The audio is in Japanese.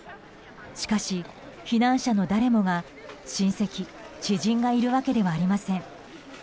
しかし、避難者の誰もが親戚、知人がいるわけではありません。